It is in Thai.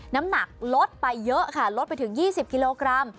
น้ำหนักลดไปเยอะค่ะลดไปถึง๒๐กิโลกรัม